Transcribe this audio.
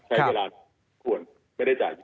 ใช้เวลาที่ควรไม่ได้จ่ายเยอะ